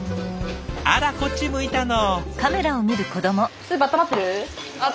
あらこっち向いたの。